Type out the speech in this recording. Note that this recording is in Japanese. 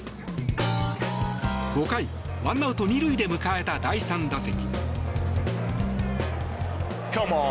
５回、１アウト２塁で迎えた第３打席。